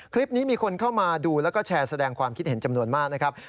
คลิปนี้มีคนเข้ามาดูแล้วก็แชร์แสดงความคิดเห็นจำนวนมากนะครับ